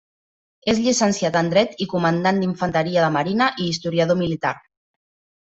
És llicenciat en dret i comandant d'Infanteria de Marina i historiador militar.